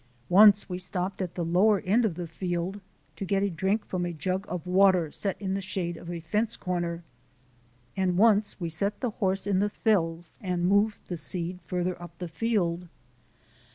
Once we stopped at the lower end of the field to get a drink from a jug of water set in the shade of a fence corner, and once we set the horse in the thills and moved the seed farther up the field.